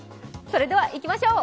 それではいきましょう。